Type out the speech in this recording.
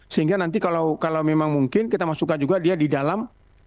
sehingga nanti kalau memang mungkin kita masukkan juga dia di dalam